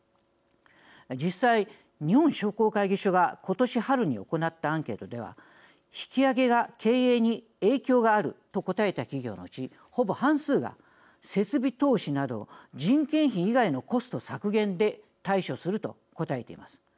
実際、日本商工会議所が今年春に行ったアンケートでは引き上げが経営に影響があると答えた企業のうちほぼ半数が設備投資等人件費以外のコスト削減で対処すると答えています。